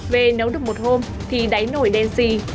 về nấu được một hôm thì đáy nồi đen xì